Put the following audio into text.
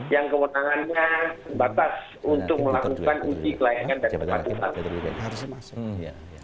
yang kemenangannya sebatas untuk melakukan uji kelayakan dari pak agung